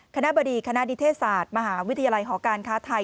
คณะบดีคณะนิเทศศาสตร์มหาวิทยาลัยหอการค้าไทย